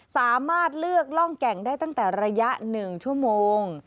สามารถเลือกร่องแก่งได้ตั้งแต่ระยะ๑ชั่วโมง